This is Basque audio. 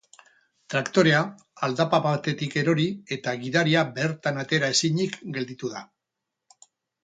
Traktorea aldapa batetik erori eta gidaria bertan atera ezinik gelditu da.